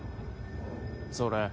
それ。